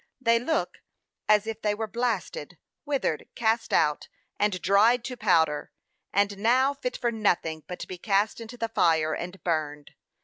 They look as if they were blasted, withered, cast out, and dried to powder, and now fit for nothing but to be cast into the fire, and burned.